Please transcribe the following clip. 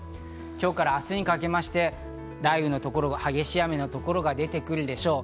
今日から明日にかけまして雷雨の所、激しい雨の所が出てくるでしょう。